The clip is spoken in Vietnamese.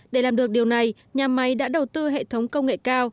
để làm được điều này nhà máy đã đầu tư hệ thống công nghệ cao